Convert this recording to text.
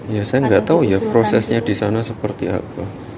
ya saya gak tau ya prosesnya disana seperti apa